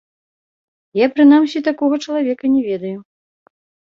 Я, прынамсі, такога чалавека не ведаю.